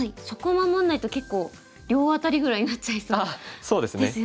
そこを守らないと結構両アタリぐらいになっちゃいそうな。